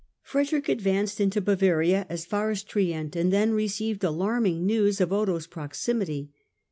Frederick advanced into Bavaria as far as Trient and then received alarming news of Otho's proximity.